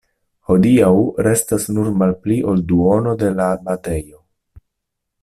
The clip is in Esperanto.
Hodiaŭ restas nur malpli ol duono de la abatejo.